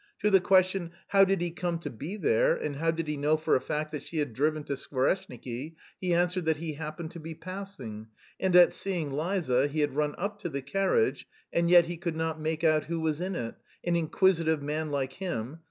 To the question "How did he come to be there, and how did he know for a fact that she had driven to Skvoreshniki?" he answered that he happened to be passing and, at seeing Liza, he had run up to the carriage (and yet he could not make out who was in it, an inquisitive man like him!)